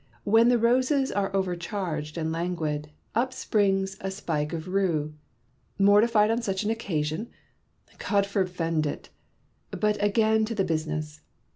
When the roses are over charged and languid, up springs a spike of rue. Mortified on such an occasion 1 God foref end it ! But again to the business.